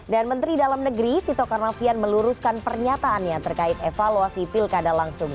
dan menteri dalam negeri tito karnavian meluruskan pernyataannya terkait evaluasi pilkada langsung